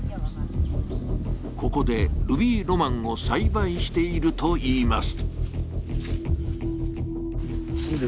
ここでルビーロマンを栽培しているといいます。